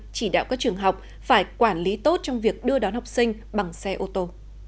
chỉ đạo các trường học phải quản lý tốt trong việc đưa đón học sinh bằng xe ô tô